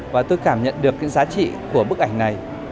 và tôi cảm nhận được cái giá trị của bức ảnh này